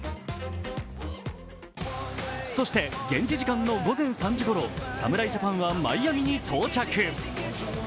そして現地時間の午前３時ごろ侍ジャパンはマイアミに到着。